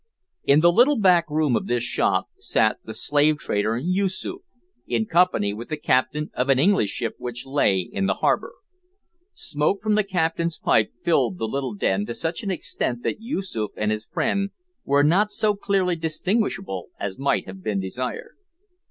In the little back room of this shop sat the slave dealer Yoosoof, in company with the captain of an English ship which lay in the harbour. Smoke from the captain's pipe filled the little den to such an extent that Yoosoof and his friend were not so clearly distinguishable as might have been desired.